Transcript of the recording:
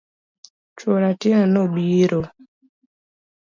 Chuor Atieno no biro.